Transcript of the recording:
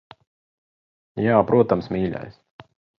Jā, protams, mīļais.